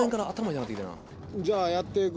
じゃあやって行く？